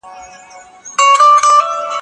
دا سیارې د لمر شاوخوا له ځمکې سره چورلېږي.